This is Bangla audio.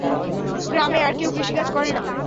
গ্রামে আর কেউ কৃষিকাজ করে না।